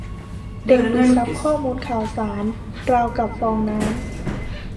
เด็กดูดซับข้อมูลข่าวสารราวกับฟองน้ำ